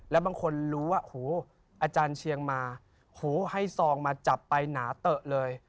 แล้วบางคนรู้ว่าโหอาจารย์เชียงมาโหให้ซองมาจับไปหนาเตอะเลย